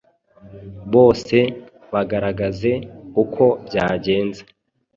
bose bagaragaze uko byagenze